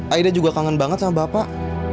aida juga kangen banget sama bapak